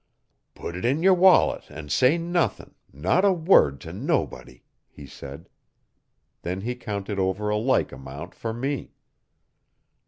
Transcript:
'Put it 'n yer wallet an' say nothin' not a word t' nobody,' he said. Then he counted over a like amount for me.